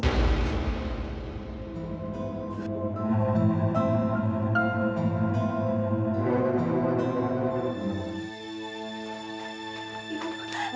pergak jualan putau